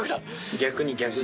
逆に逆に。